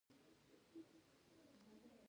د افغانستان کرنه دودیزه ده.